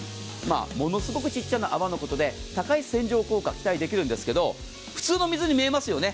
ものすごく小さな泡のことで高い洗浄効果が期待できるんですけど普通の水に見えますよね。